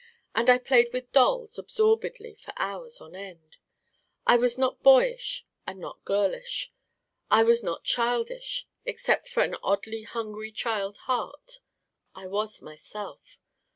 And I played with dolls absorbedly for hours on end. I was not boyish and not girlish. I was not childish except for an oddly hungry child heart. I was myself.